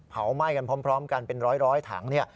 เผาไหม้กันพร้อมกันเป็น๑๐๐ถัง